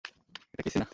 এটা কিসি না।